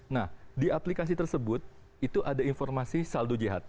nah di aplikasi tersebut itu ada informasi saldo jht